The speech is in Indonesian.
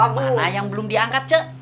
mana yang belum diangkat cek